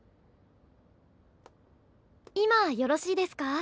今よろしいですか？